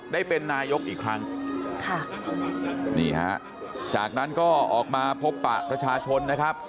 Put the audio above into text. ได้เป็นนายกอีกครั้งค่ะนี่ฮะจากนั้นก็ออกมาพบปะประชาชนนะครับ